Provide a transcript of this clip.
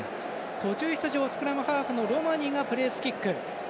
途中出場スクラムハーフ、ロマニがプレースキック